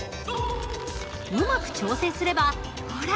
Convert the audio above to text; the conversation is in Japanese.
うまく調整すればほら